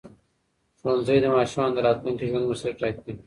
ښوونځی د ماشومانو د راتلونکي ژوند مسیر ټاکي.